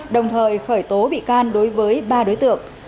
đồng thời khởi tố bị can đối với ba đối tượng